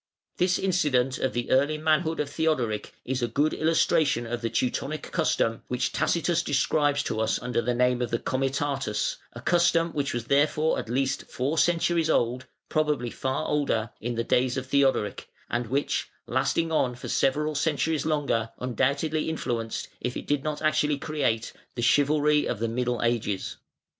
] This incident of the early manhood of Theodoric is a good illustration of the Teutonic custom which Tacitus describes to us under the name of the comitatus, a custom which was therefore at least four centuries old (probably far older) in the days of Theodoric, and which, lasting on for several centuries longer, undoubtedly influenced if it did not actually create the chivalry of the Middle Ages.